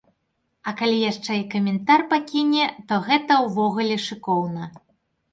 А калі яшчэ і каментар пакіне, то гэта ўвогуле шыкоўна.